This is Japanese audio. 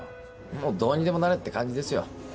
もう「どうにでもなれ」って感じですよ。